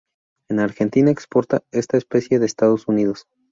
En Argentina exporta esta especie de Estados Unidos.